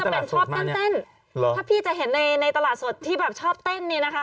ถ้าพี่จะเห็นในตลาดสดที่ชอบเต้นนี่นะค่ะ